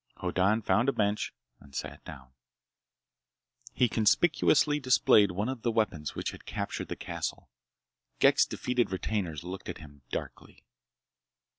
Hoddan found a bench and sat down. He conspicuously displayed one of the weapons which had captured the castle. Ghek's defeated retainers looked at him darkly.